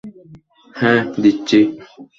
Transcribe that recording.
হ্যাঁ, দিচ্ছি।